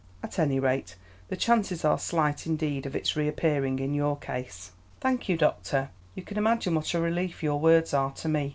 At any rate the chances are slight indeed of its reappearing in your case." "Thank you, doctor; you can imagine what a relief your words are to me.